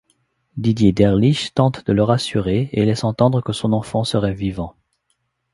Didier Derlich tente de la rassurer et laisse entendre que son enfant serait vivant.